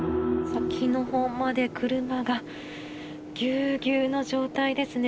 先のほうまで車がぎゅうぎゅうの状態ですね。